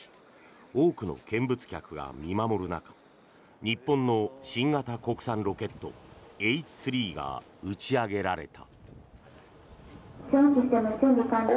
多くの見物客が見守る中日本の新型国産ロケットＨ３が打ち上げられた。